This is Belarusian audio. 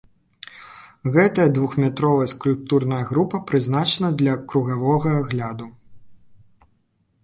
Гэтая двухметровая скульптурная група прызначана для кругавога агляду.